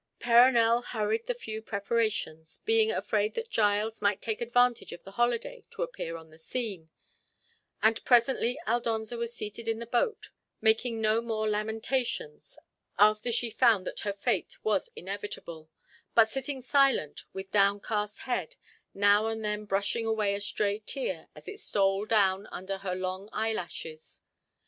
Perronel hurried the few preparations, being afraid that Giles might take advantage of the holiday to appear on the scene, and presently Aldonza was seated in the boat, making no more lamentations after she found that her fate was inevitable, but sitting silent, with downcast head, now and then brushing away a stray tear as it stole down under her long eyelashes.